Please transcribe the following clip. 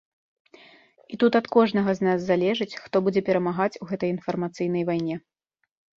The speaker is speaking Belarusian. І тут ад кожнага з нас залежыць, хто будзе перамагаць у гэтай інфармацыйнай вайне.